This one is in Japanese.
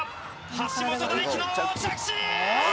橋本大輝の着地！